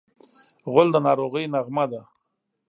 غول د ناروغۍ نغمه ده.